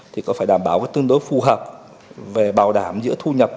thì có phải đảm bảo tương đối phù hợp về bảo đảm giữa thu nhập